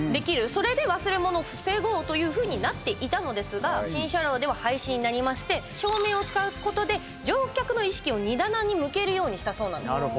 それで忘れ物を防ごうというふうになっていたのですが新車両では廃止になりまして照明を使うことで乗客の意識を荷棚に向けるようにしたそうなんです。